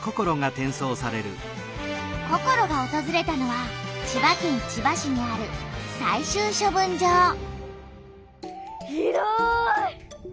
ココロがおとずれたのは千葉県千葉市にある広い！